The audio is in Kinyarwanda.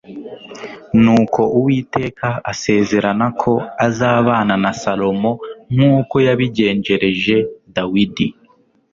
nuko uwiteka asezerana ko azabana na salomo nk'uko yabigenjereje dawidi